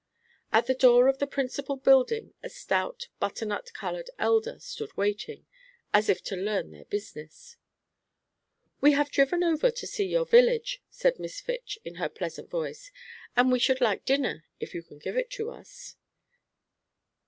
At the door of the principal building, a stout, butternut colored Elder stood waiting, as if to learn their business. "We have driven over to see your village," said Miss Fitch, in her pleasant voice, "and we should like dinner, if you can give it to us."